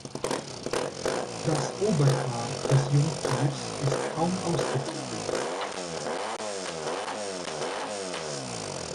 Das Oberhaar des Jungtiers ist kaum ausgebildet.